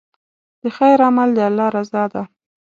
د خیر عمل د الله رضا ده.